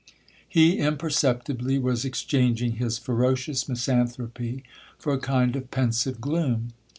He imperceptibly was exchanging his ferocious misanthropy for a kind of pensive gloom.